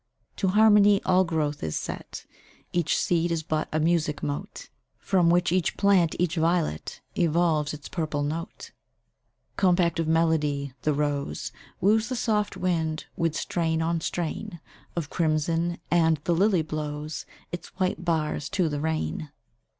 To harmony all growth is set Each seed is but a music mote, From which each plant, each violet, Evolves its purple note. Compact of melody, the rose Woos the soft wind with strain on strain Of crimson; and the lily blows Its white bars to the rain.